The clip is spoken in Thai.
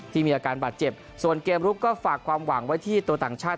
ที่มีอาการบาดเจ็บส่วนเกมลุกก็ฝากความหวังไว้ที่ตัวต่างชาติ